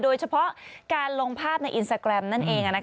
โดยเฉพาะการลงภาพในอินสตาแกรมนั่นเอง